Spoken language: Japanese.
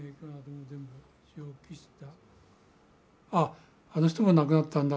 あっあの人も亡くなったんだ